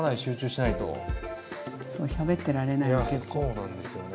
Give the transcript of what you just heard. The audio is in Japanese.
そうなんですよね。